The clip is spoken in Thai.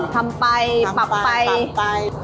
ทำไปปรับไปไป